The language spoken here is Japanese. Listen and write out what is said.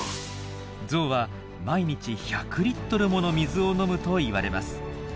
ゾウは毎日１００リットルもの水を飲むといわれます。